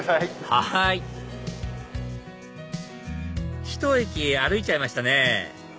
はいひと駅歩いちゃいましたね